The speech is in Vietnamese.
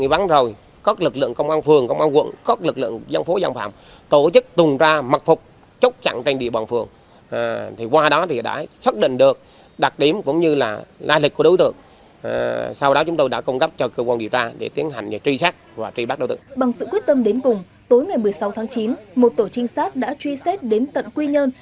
bằng sự quyết tâm đến cùng tối ngày một mươi sáu tháng chín một tổ trinh sát đã truy xét đến tận quy nhơn